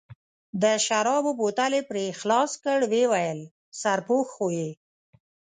د شرابو بوتل یې پرې خلاص کړ، ویې ویل: سرپوښ خو یې.